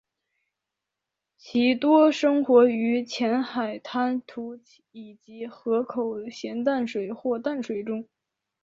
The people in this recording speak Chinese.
其多生活于浅海滩涂以及河口咸淡水或淡水中。